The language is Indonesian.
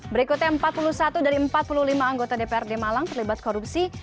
berikutnya empat puluh satu dari empat puluh lima anggota dprd malang terlibat korupsi